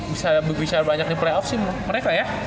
bisa lebih bisa banyak di play off sih mereka ya